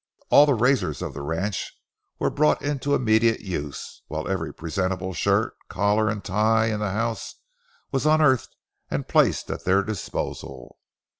All the razors on the ranch were brought into immediate use, while every presentable shirt, collar, and tie in the house was unearthed and placed at their disposal.